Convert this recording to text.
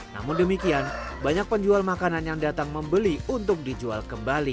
namun demikian banyak penjual makanan yang datang membeli untuk dijual kembali